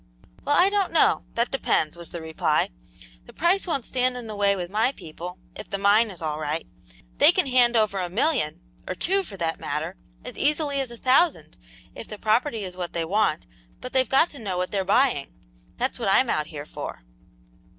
"Well, I don't know; that depends," was the reply. "The price won't stand in the way with my people, if the mine is all right. They can hand over a million or two, for that matter as easily as a thousand, if the property is what they want, but they've got to know what they're buying. That's what I'm out here for."